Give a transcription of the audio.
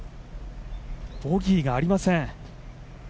ボギーがありません。